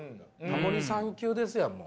タモリさん級ですやんもう。